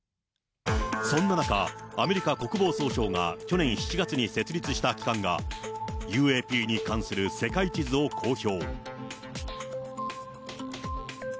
そんな中、アメリカ国防総省が去年７月に設立した機関が、ＵＡＰに関する世界地図を公表。